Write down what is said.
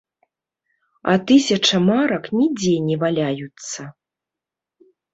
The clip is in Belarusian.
А тысяча марак нідзе не валяюцца!